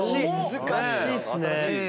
難しいですね。